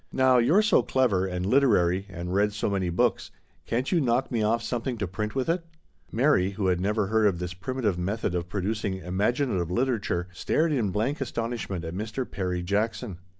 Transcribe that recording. Now, you're so 134 ) THE STORY OF A MODERN WOMAN. elever, and literary, and read so many books, can't you knock me off something to print with it?" Mary, who had never heard of this primi tive method of producing imaginative litera ture, stared in blank astonishment at Mr. Perry Jackson.